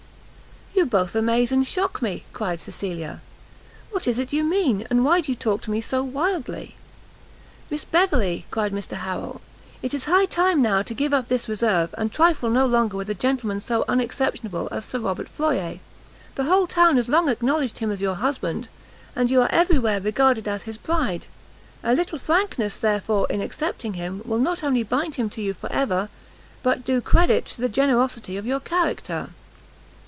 "You both amaze and shock me!" cried Cecilia, "what is it you mean, and why do you talk to me so wildly?" "Miss Beverley," cried Mr Harrel, "it is high time now to give up this reserve, and trifle no longer with a gentleman so unexceptionable as Sir Robert Floyer. The whole town has long acknowledged him as your husband, and you are every where regarded as his bride, a little frankness, therefore, in accepting him, will not only bind him to you for ever, but do credit to the generosity of your character."